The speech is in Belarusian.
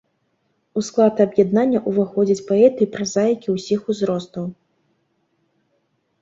У склад аб'яднання ўваходзяць паэты і празаікі ўсіх узростаў.